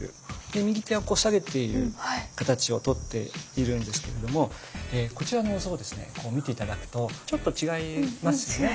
で右手はこう下げている形をとっているんですけれどもこちらのお像をですね見て頂くとちょっと違いますよね。